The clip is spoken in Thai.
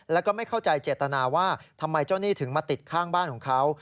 แล้วก็ไม่เข้าใจเจตนาว่าทำไมเจ้าหนี้ถึงมาติดข้างบ้านของเขา